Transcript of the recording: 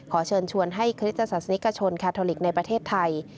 ขอเชิญชวนให้คริสตศาสนิกชนแคทอลิกในประเทศไทย